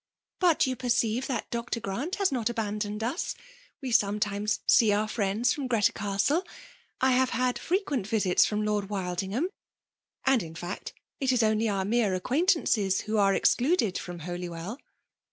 *' But you perceive that Dr. Grant has not abandoned us; — ^we sometimes see our friends from Greta Castle ;— I have had frequent visits from Lord Wildingham ;— and in fact it is only our mere acquaintances wlio are excluded from Holywell."